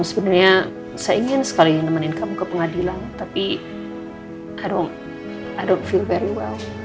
sebenarnya saya ingin sekali nemenin kamu ke pengadilan tapi saya tidak terasa baik baik